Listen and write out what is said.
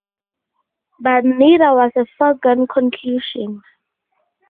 But neither was a foregone conclusion.